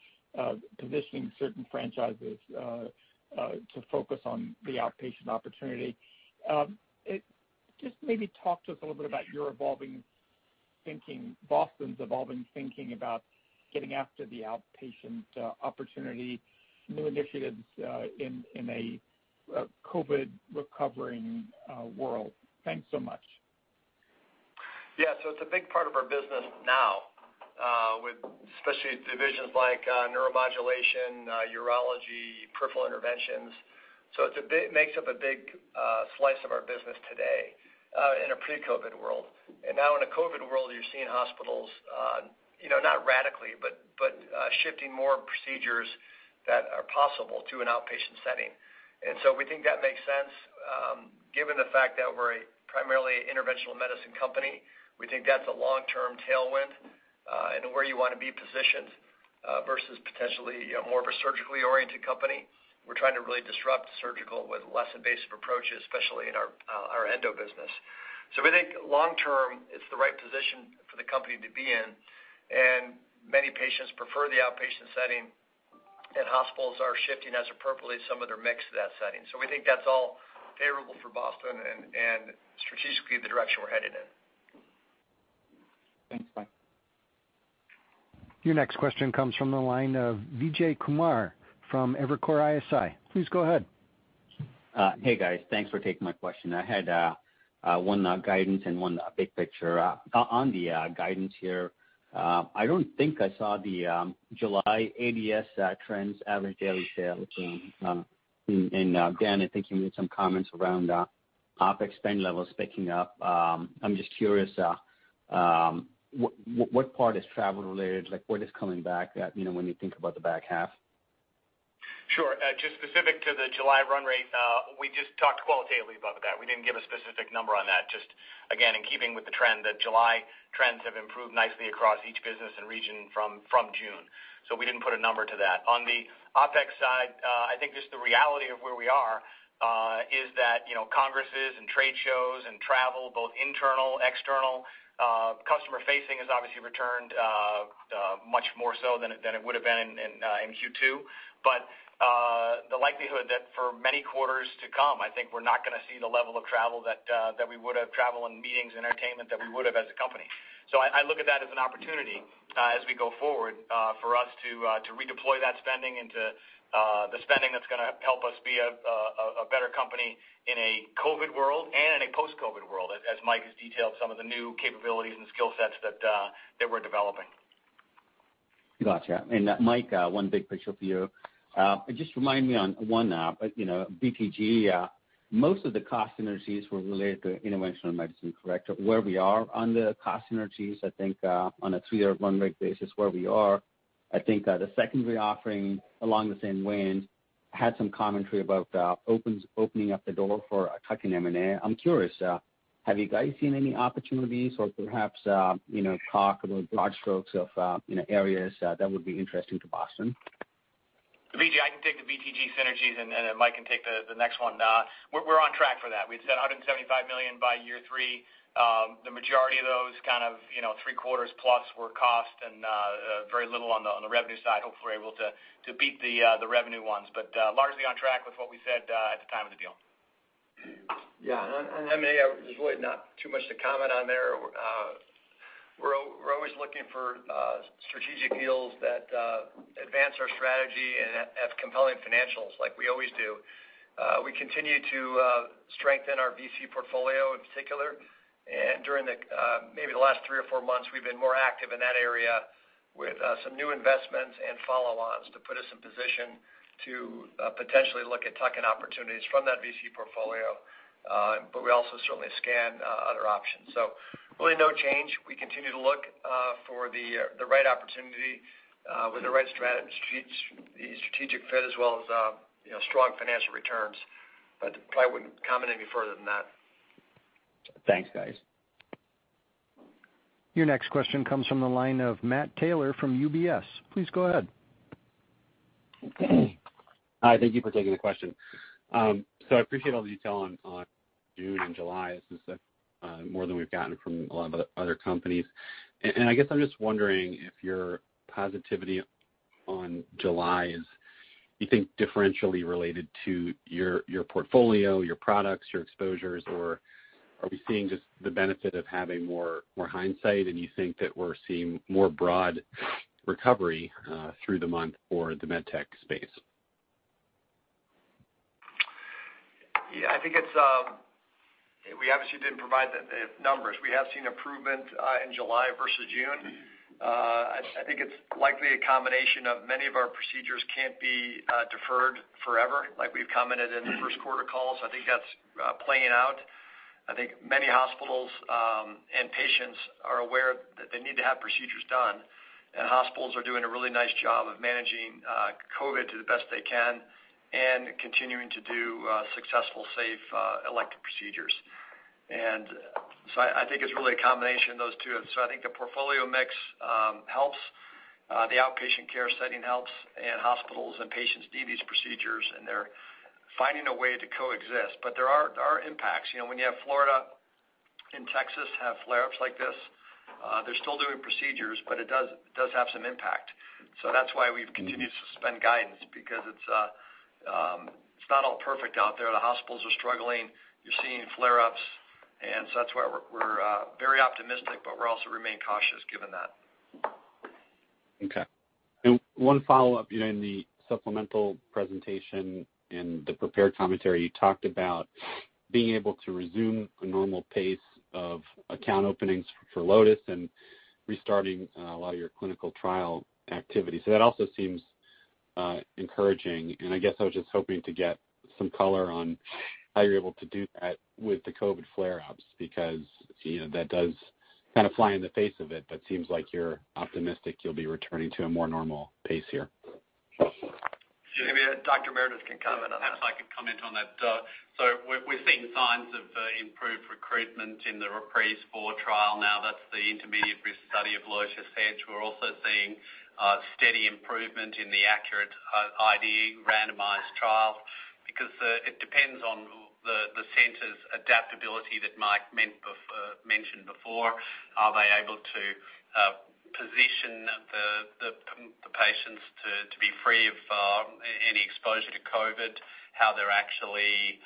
positioning certain franchises to focus on the outpatient opportunity. Just maybe talk to us a little bit about your evolving thinking, Boston's evolving thinking, about getting after the outpatient opportunity, new initiatives in a COVID recovering world. Thanks so much. Yeah. It's a big part of our business now, with especially divisions like Neuromodulation, Urology, Peripheral Interventions. It makes up a big slice of our business today in a pre-COVID world. Now in a COVID world, you're seeing hospitals not radically, but shifting more procedures that are possible to an outpatient setting. We think that makes sense, given the fact that we're primarily an Interventional Medicine company. We think that's a long-term tailwind, and where you want to be positioned, versus potentially more of a surgically oriented company. We're trying to really disrupt surgical with less invasive approaches, especially in our Endo business. We think long term, it's the right position for the company to be in, and many patients prefer the outpatient setting, and hospitals are shifting, as appropriately, some of their mix to that setting. We think that's all favorable for Boston and strategically the direction we're headed in. Thanks, Mike. Your next question comes from the line of Vijay Kumar from Evercore ISI. Please go ahead. Hey, guys. Thanks for taking my question. I had one guidance and one big picture. On the guidance here, I don't think I saw the July ADS trends, average daily sales. Dan, I think you made some comments around OpEx spend levels picking up. I'm just curious, what part is travel related? What is coming back when you think about the back half? Sure. Just specific to the July run rate, we just talked qualitatively about that. We didn't give a specific number on that, just again, in keeping with the trend that July trends have improved nicely across each business and region from June. We didn't put a number to that. On the OpEx side, I think just the reality of where we are is that congresses and trade shows and travel, both internal, external. Customer facing has obviously returned much more so than it would've been in Q2. The likelihood that for many quarters to come, I think we're not going to see the level of travel that we would have, travel and meetings, entertainment that we would have as a company. I look at that as an opportunity as we go forward for us to redeploy that spending into the spending that's going to help us be a better company in a COVID world and in a post-COVID world, as Mike has detailed some of the new capabilities and skill sets that we're developing. Gotcha. Mike, one big picture for you. Just remind me on one, BTG. Most of the cost synergies were related to Interventional Medicine, correct? Where we are on the cost synergies, I think on a three-year run rate basis where we are. I think the secondary offering along the same vein had some commentary about opening up the door for tuck-in M&A. I'm curious, have you guys seen any opportunities or perhaps talk about large strokes of areas that would be interesting to Boston? Vijay, I can take the BTG synergies, and then Mike can take the next one. We're on track for that. We said $175 million by year three. The majority of those kind of three quarters plus were cost and very little on the revenue side. Hopefully, we're able to beat the revenue ones. Largely on track with what we said at the time of the deal. Yeah. I mean, there's really not too much to comment on there. We're always looking for strategic deals that advance our strategy and have compelling financials, like we always do. We continue to strengthen our VC portfolio in particular. During maybe the last three or four months, we've been more active in that area with some new investments and follow-ons to put us in position to potentially look at tuck-in opportunities from that VC portfolio. We also certainly scan other options. Really no change. We continue to look for the right opportunity with the right strategic fit, as well as strong financial returns. I wouldn't comment any further than that. Thanks, guys. Your next question comes from the line of Matt Taylor from UBS. Please go ahead. Hi, thank you for taking the question. I appreciate all the detail on June and July. This is more than we've gotten from a lot of other companies. I guess I'm just wondering if your positivity on July is, you think differentially related to your portfolio, your products, your exposures, or are we seeing just the benefit of having more hindsight, and you think that we're seeing more broad recovery through the month for the med tech space? I think we obviously didn't provide the numbers. We have seen improvement in July versus June. I think it's likely a combination of many of our procedures can't be deferred forever, like we've commented in the first quarter calls. I think that's playing out. I think many hospitals and patients are aware that they need to have procedures done, and hospitals are doing a really nice job of managing COVID to the best they can and continuing to do successful, safe elective procedures. I think it's really a combination of those two. I think the portfolio mix helps, the outpatient care setting helps, and hospitals and patients need these procedures, and they're finding a way to coexist. There are impacts. When you have Florida and Texas have flare-ups like this, they're still doing procedures, but it does have some impact. That's why we've continued to suspend guidance, because it's not all perfect out there. The hospitals are struggling. You're seeing flare-ups. That's why we're very optimistic, but we also remain cautious given that. Okay. One follow-up. In the supplemental presentation, in the prepared commentary, you talked about being able to resume a normal pace of account openings for Lotus and restarting a lot of your clinical trial activity. That also seems encouraging, and I guess I was just hoping to get some color on how you're able to do that with the COVID flare-ups, because that does kind of fly in the face of it, but seems like you're optimistic you'll be returning to a more normal pace here. Maybe Dr. Meredith can comment on that. Perhaps I can comment on that. We're seeing signs of improved recruitment in the REPRISE IV trial now. That's the intermediate risk study of Lotus Edge. We're also seeing steady improvement in the ACURATE IDE randomized trial because it depends on the center's adaptability that Mike mentioned before. Are they able to position the patients to be free of any exposure to COVID? How they're actually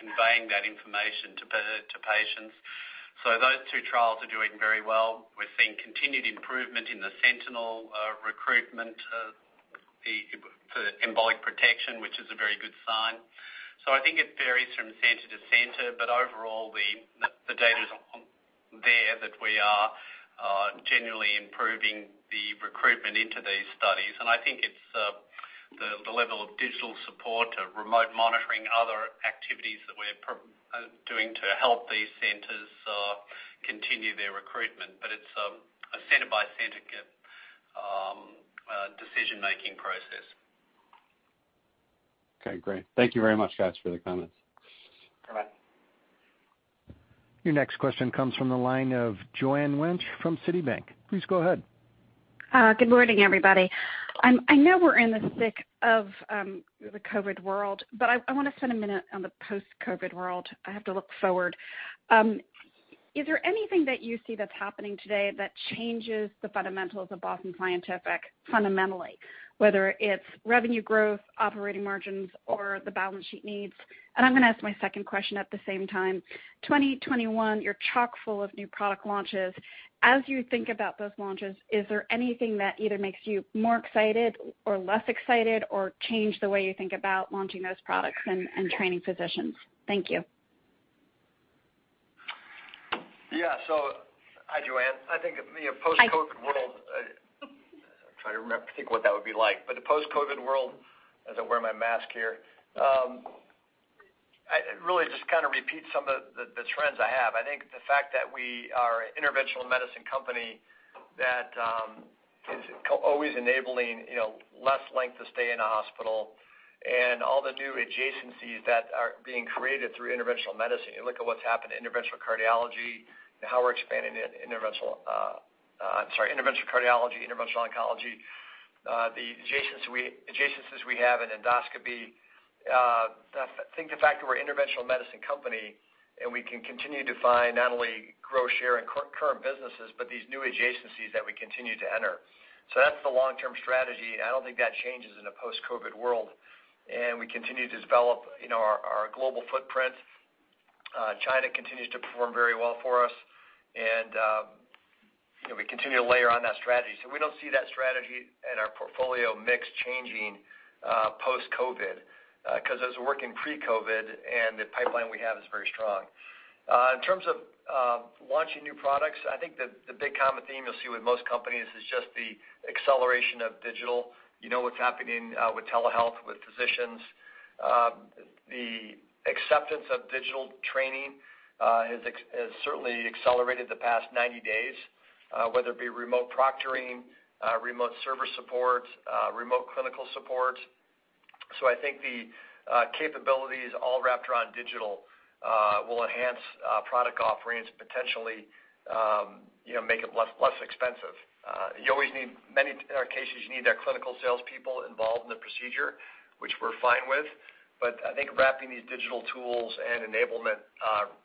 conveying that information to patients. Those two trials are doing very well. We're seeing continued improvement in the SENTINEL recruitment for embolic protection, which is a very good sign. I think it varies from center to center, but overall, the data's there that we are generally improving the recruitment into these studies. I think it's the level of digital support, remote monitoring, other activities that we're doing to help these centers continue their recruitment. It's a center-by-center decision-making process. Okay, great. Thank you very much, guys, for the comments. Your next question comes from the line of Joanne Wuensch from Citibank. Please go ahead. Good morning, everybody. I know we're in the thick of the COVID world, but I want to spend a minute on the post-COVID world. I have to look forward. Is there anything that you see that's happening today that changes the fundamentals of Boston Scientific fundamentally, whether it's revenue growth, operating margins, or the balance sheet needs? I'm going to ask my second question at the same time. 2021, you're chock-full of new product launches. As you think about those launches, is there anything that either makes you more excited or less excited or change the way you think about launching those products and training physicians? Thank you. Yeah. Hi, Joanne. I think of me, a post-COVID world. Hi. I try to think what that would be like, but the post-COVID world, as I wear my mask here. I really just kind of repeat some of the trends I have. I think the fact that we are an Interventional Medicine company that is always enabling less length of stay in a hospital and all the new adjacencies that are being created through Interventional Medicine. You look at what's happened to Interventional Cardiology and how we're expanding Interventional Cardiology, Interventional Oncology, the adjacencies we have in Endoscopy. I think the fact that we're an Interventional Medicine company, and we can continue to find not only grow share in current businesses, but these new adjacencies that we continue to enter. That's the long-term strategy, and I don't think that changes in a post-COVID world. We continue to develop our global footprint. China continues to perform very well for us, and we continue to layer on that strategy. We don't see that strategy and our portfolio mix changing post-COVID because it was working pre-COVID, and the pipeline we have is very strong. In terms of launching new products, I think the big common theme you'll see with most companies is just the acceleration of digital. You know what's happening with telehealth, with physicians. The acceptance of digital training has certainly accelerated the past 90 days whether it be remote proctoring, remote server support, remote clinical support. I think the capabilities all wrapped around digital will enhance product offerings, potentially make it less expensive. In many cases, you need our clinical salespeople involved in the procedure, which we're fine with. I think wrapping these digital tools and enablement,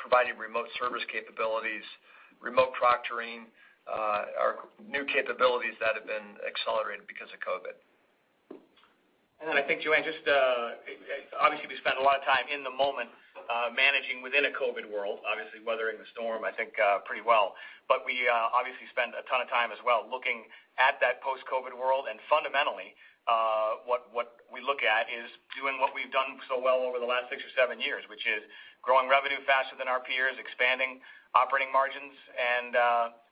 providing remote service capabilities, remote proctoring, are new capabilities that have been accelerated because of COVID. I think, Joanne, obviously we spend a lot of time in the moment managing within a COVID world, obviously weathering the storm, I think pretty well. We obviously spend a ton of time as well looking at that post-COVID world. Fundamentally, what we look at is doing what we've done so well over the last six or seven years, which is growing revenue faster than our peers, expanding operating margins, and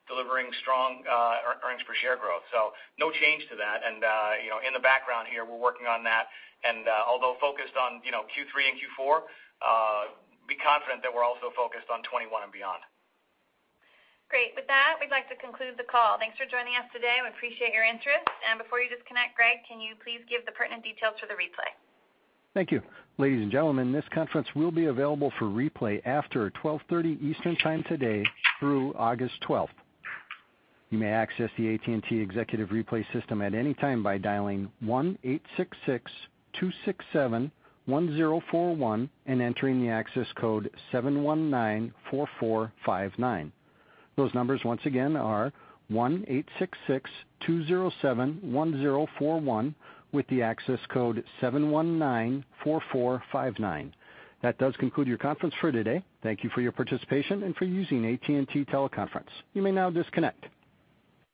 delivering strong earnings per share growth. No change to that. In the background here, we're working on that. Although focused on Q3 and Q4, be confident that we're also focused on 2021 and beyond. Great. With that, we'd like to conclude the call. Thanks for joining us today. We appreciate your interest. Before you disconnect, Greg, can you please give the pertinent details for the replay? Thank you. Ladies and gentlemen, this conference will be available for replay after 12:30 Eastern Time today through August 12th. You may access the AT&T Executive Replay system at any time by dialing 1-866-267-1041 and entering the access code 7194459. Those numbers once again are 1-866-207-1041 with the access code 7194459. That does conclude your conference for today. Thank you for your participation and for using AT&T Teleconference. You may now disconnect.